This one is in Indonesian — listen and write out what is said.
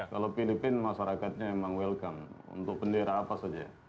kalau filipina masyarakatnya memang welcome untuk bendera apa saja